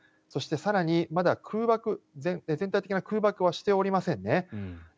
そして、更にまだ空爆全体的な空爆はしておりませんね。